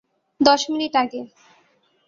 দশ মিনিট আগে।